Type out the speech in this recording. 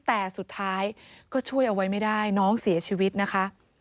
แต่สุดท้ายก็ช่วยเอาไว้ไม่ได้น้องเสียชีวิตนะคะ